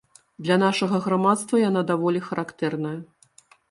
Для нашага грамадства яна даволі характэрная.